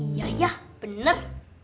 iya ya bener